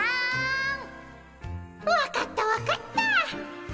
分かった分かった。